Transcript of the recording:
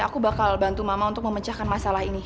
aku bakal bantu mama untuk memecahkan masalah ini